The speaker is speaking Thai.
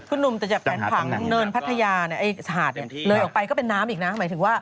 คุณหนุ่มแต่จากแผนผังเนินพัทยาเนี่ยไอ้หาดเลยออกไปก็เป็นน้ำอีกนะหมายถึงว่า